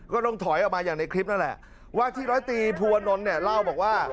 ก็ต้องถอยออกมาอย่างในคลิปนั่นแหละว่าที่ร้อยตีภูวนลเนี่ยเล่าบอกว่า